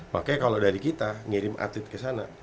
makanya kalau dari kita ngirim atlet ke sana